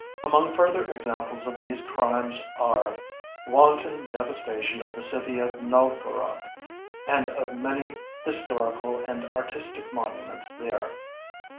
Among further examples of these crimes are: Wanton devastation of the city of Novgorod and of many historical and artistic monuments there.